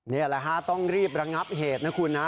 นี่แหละฮะต้องรีบระงับเหตุนะคุณนะ